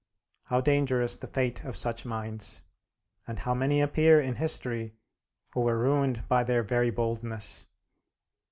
How dangerous the fate of such minds, and how many appear in history who were ruined by their very boldness!